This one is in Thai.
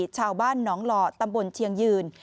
ชาวบ้านหนองหล่อตำบลเชียงยืน